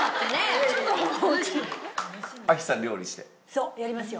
そうやりますよ。